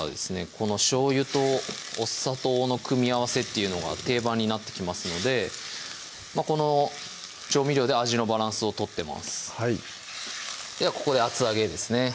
このしょうゆとお砂糖の組み合わせっていうのが定番になってきますのでこの調味料で味のバランスを取ってますではここで厚揚げですね